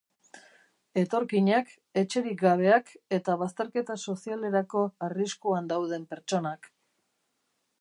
Etorkinak, etxerik gabeak eta bazterketa sozialerako arriskuan dauden pertsonak.